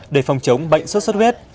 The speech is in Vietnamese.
để phòng chống bệnh xuất xuất huyết